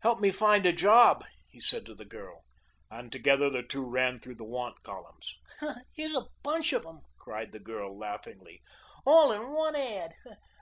"Help me find a job," he said to the girl, and together the two ran through the want columns. "Here's a bunch of them," cried the girl laughingly, "all in one ad.